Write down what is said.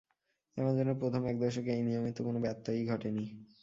অ্যামাজনের প্রথম এক দশকে এই নিয়মের তো কোনো ব্যতয়ই ঘটেনি।